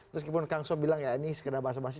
meskipun kang so bilang ya ini sekedar bahasa bahasi